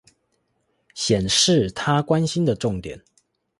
顯示她關心的重點